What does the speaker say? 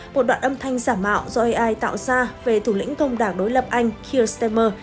một đoạn âm thanh giả mạo do ai tạo ra về thủ lĩnh công đảng đối lập anh keo stemmer